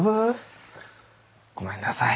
ごめんなさい